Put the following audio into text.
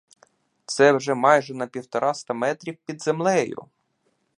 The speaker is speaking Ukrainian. Це вже майже на півтораста метрів під землею!